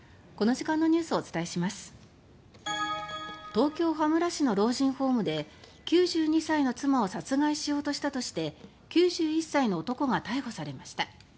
東京・羽村市の老人ホームで９２歳の妻を殺害しようとしたとして９１歳の男が逮捕されました。